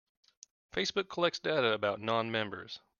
Facebook collects data about non-members.